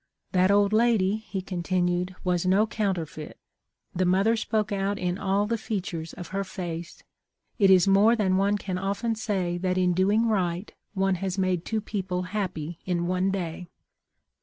That old lady,' he continued, ' was no counterfeit. The mother spoke out in all the feat ures of her face. It is more than one can often say that in doing right one has made two people happy in one day.